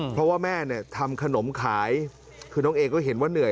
เพราะว่าแม่เนี่ยทำขนมขายคือน้องเอก็เห็นว่าเหนื่อย